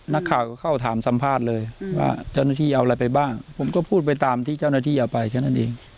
นักข่าวก็เข้าถามสัมภาษณ์เลยว่าเจ้าหน้าที่เอาอะไรไปบ้างผมก็พูดไปตามที่เจ้าหน้าที่เอาไปแค่นั้นเอง